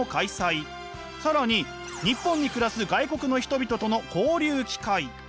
更に日本に暮らす外国の人々との交流機会。